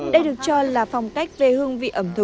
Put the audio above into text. đây được cho là phong cách về hương vị